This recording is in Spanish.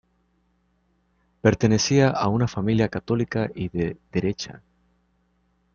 Pertenecía a una familia católica y de derecha.